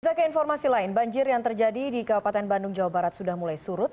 kita ke informasi lain banjir yang terjadi di kabupaten bandung jawa barat sudah mulai surut